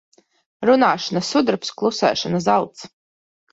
Runāšana sudrabs, klusēšana zelts.